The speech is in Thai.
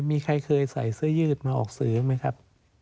มีใครเคยใส่เสื้อยืดมาออกซื้อไหมครับ